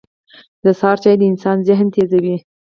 • د سهار چای د انسان ذهن تیزوي.